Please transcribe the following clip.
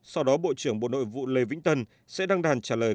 sau đó bộ trưởng bộ nội vụ lê vĩnh tân sẽ đăng đàn trả lời